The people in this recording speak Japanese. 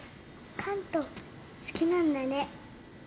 カント好きなんだね。